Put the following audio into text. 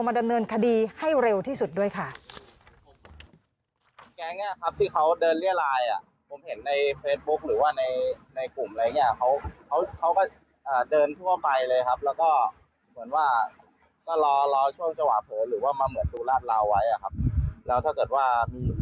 มาดำเนินคดีให้เร็วที่สุดด้วยค่ะ